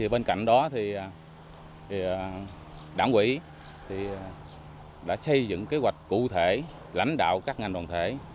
bên cạnh đó đảng quỹ đã xây dựng kế hoạch cụ thể lãnh đạo các ngành đoàn thể